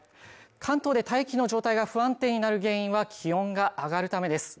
関東で大気の状態が不安定になる原因は気温が上がるためです。